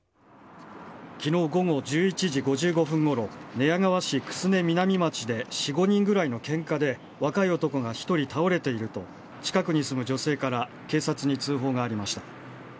きのう午後１１時５５分ごろ、寝屋川市楠根南町で４、５人ぐらいのけんかで若い男が１人倒れていると、近くに住む女性から警察に通報がありました。